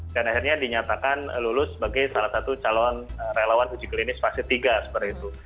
dan akhirnya dinyatakan lulus sebagai salah satu calon relawan uji klinis fase tiga seperti itu